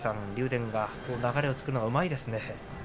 電は流れを作るのがうまいですね。